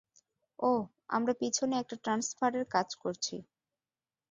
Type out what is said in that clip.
ওহ, আমরা পিছনে একটা ট্রান্সফারের কাজ করছি।